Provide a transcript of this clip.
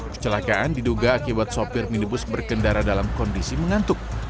kecelakaan diduga akibat sopir minibus berkendara dalam kondisi mengantuk